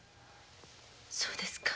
そうですか。